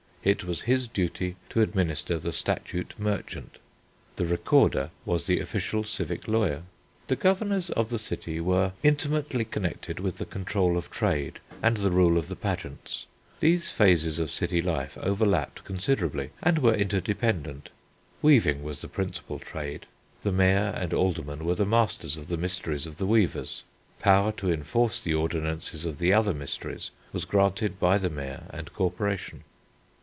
It was his duty to administer the statute merchant. The Recorder was the official civic lawyer. The governors of the city were intimately connected with the control of trade, and the rule of the pageants. These phases of city life overlapped considerably and were interdependent. Weaving was the principal trade. The Mayor and Aldermen were the masters of the mysteries of the weavers. Power to enforce the ordinances of the other mysteries was granted by the Mayor and Corporation.